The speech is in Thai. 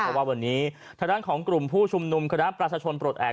เพราะว่าวันนี้ทางด้านของกลุ่มผู้ชุมนุมคณะประชาชนปลดแอบ